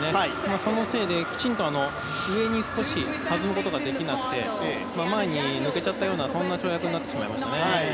そのせいできちんと上に弾むことができなくて、前に乗せちゃったような跳躍になりましたね。